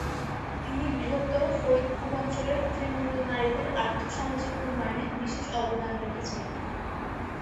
তিনি বৃহত্তর ফরিদপুর অঞ্চলের তৃণমূল নারীদের আর্থ-সামাজিক উন্নয়নে বিশেষ অবদান রেখেছেন।